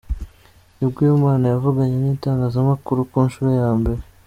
nibwo uyu mwana yavuganye nitangazamakuru ku nshuro ya mbere.